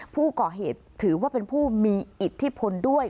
ผู้ก่อเหตุถือว่าเป็นผู้มีอิทธิพลด้วย